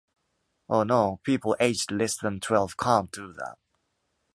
Oh no, people aged less than twelve can’t do that.